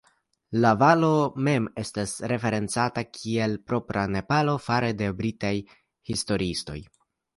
La valo mem estas referencata kiel "Propra Nepalo" fare de britaj historiistoj.